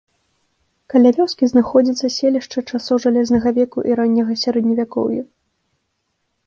Каля вёскі знаходзіцца селішча часоў жалезнага веку і ранняга сярэдневякоўя.